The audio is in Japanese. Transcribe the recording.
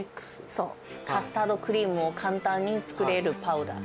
そう、カスタードクリームを簡単に作れるパウダー。